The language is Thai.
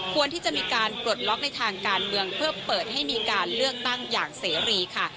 ที่จะมีการปลดล็อกในทางการเมืองเพื่อเปิดให้มีการเลือกตั้งอย่างเสรีค่ะ